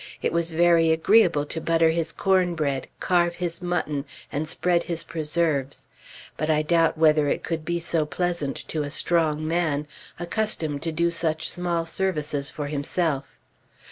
It was very agreeable to butter his cornbread, carve his mutton, and spread his preserves; but I doubt whether it could be so pleasant to a strong man, accustomed to do such small services for himself.